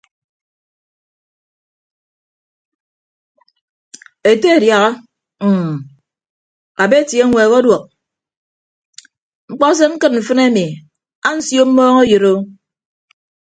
Ete adiaha mm abeti eñweek ọduọk mkpọ se ñkịd mfịn ami ansio mmọọñeyịdo.